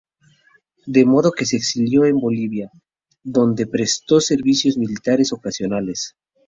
De modo que se exilió en Bolivia, donde prestó servicios militares ocasionales.